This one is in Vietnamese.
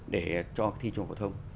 để cho cái thi trong hội thông